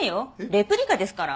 レプリカですから。